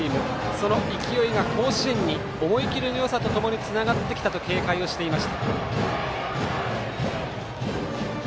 その勢いが甲子園に思い切りのよさとともにつながってきたと警戒をしていました。